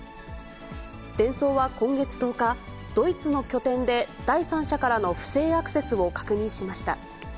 デンソーは今月１０日、ドイツの拠点で第三者からの不正アクセスを確認しました。